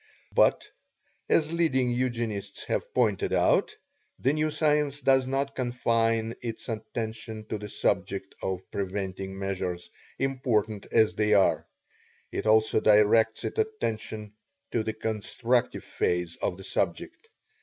But, as leading Eugenists have pointed out, the new science does not confine its attention to the subject of preventive measures, important as they are it also directs its attention to the constructive phase of the subject, i.